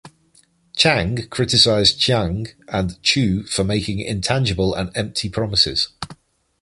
Chang criticized Chiang and Chu for making intangible and empty promises.